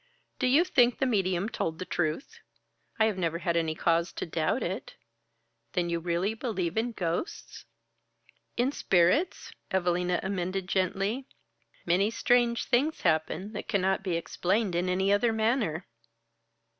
"Do you think the medium told the truth?" "I've never had any cause to doubt it." "Then you really believe in ghosts?" "In spirits?" Evalina amended gently. "Many strange things happen that cannot be explained in any other manner."